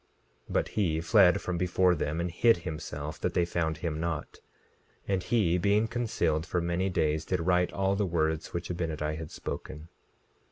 17:4 But he fled from before them and hid himself that they found him not. And he being concealed for many days did write all the words which Abinadi had spoken.